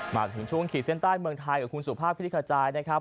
มาถึงช่วงขีดเส้นใต้เมืองไทยกับคุณสุภาพคลิกขจายนะครับ